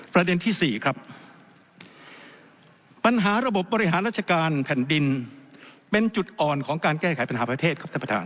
ประเด็น๔ปัญหาระบบบริหารรัชการแผ่นดินเป็นจุดอ่อนการแก้ไขปัญหาประเทศ